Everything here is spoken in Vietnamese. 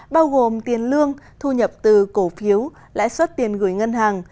bao gồm tiền lương thu nhập từ cổ phiếu lãi suất tiền gửi ngân hàng